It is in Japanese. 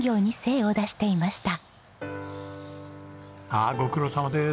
ああご苦労さまです。